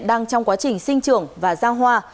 đang trong quá trình sinh trường và giao hoa